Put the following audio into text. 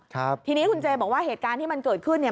ทีนี้คุณเจบอกว่าเหตุการณ์ที่มันเกิดขึ้นเนี่ย